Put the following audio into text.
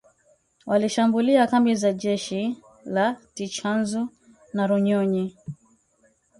walishambulia kambi za jeshi la Tchanzu na Runyonyi